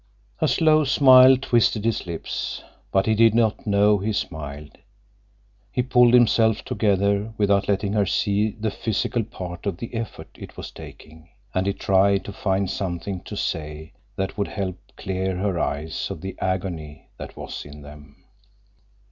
A slow smile twisted his lips, but he did not know he smiled. He pulled himself together without letting her see the physical part of the effort it was taking. And he tried to find something to say that would help clear her eyes of the agony that was in them.